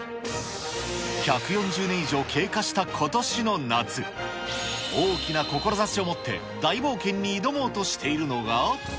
１４０年以上経過したことしの夏、大きな志を持って大冒険に挑もうとしているのが。